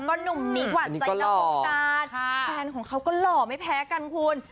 แฟนเขาก็หล่อไม่แพ้กันคุณ